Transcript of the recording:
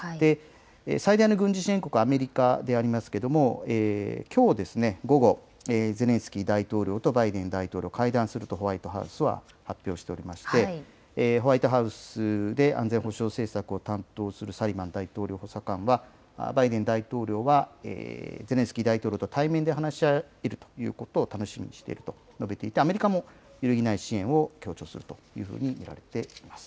最大の軍事支援国アメリカでありますけれども、きょう午後、ゼレンスキー大統領とバイデン大統領、会談するとホワイトハウスは発表しておりまして、ホワイトハウスで安全保障政策を担当するサリバン大統領補佐官は、バイデン大統領は、ゼレンスキー大統領と対面で話し合えるということを楽しみにしていると述べていて、アメリカも揺るぎない支援を強調するというふうに見られています。